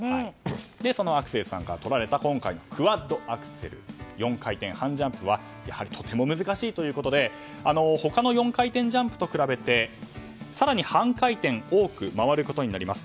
そのアクセルさんからとられた今回のクワッドアクセル４回転半ジャンプはやはりとても難しいということで他の４回転ジャンプと比べて更に半回転多く回ることになります。